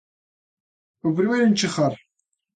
O primeiro en chegar.